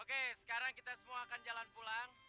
oke sekarang kita semua akan jalan pulang